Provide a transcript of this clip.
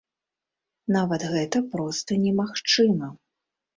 Нават гэта проста немагчыма!